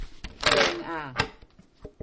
正呀！